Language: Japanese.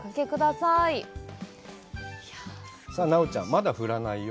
さあ、奈緒ちゃん、まだ振らないよ。